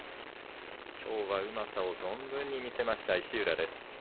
きょうは、うまさを存分に見せました石浦です。